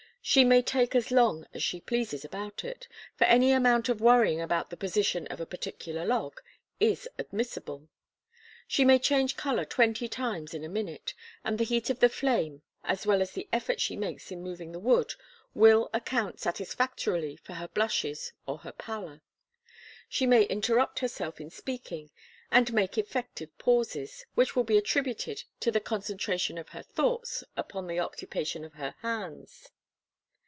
She may take as long as she pleases about it, for any amount of worrying about the position of a particular log is admissible. She may change colour twenty times in a minute, and the heat of the flame as well as the effort she makes in moving the wood will account satisfactorily for her blushes or her pallor. She may interrupt herself in speaking, and make effective pauses, which will be attributed to the concentration of her thoughts upon the occupation of her hands.